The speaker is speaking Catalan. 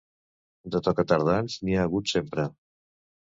De tocatardans n'hi ha hagut sempre.